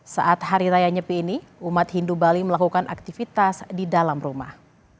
saat hari raya nyepi ini umat hindu bali melakukan aktivitas di dalam rumah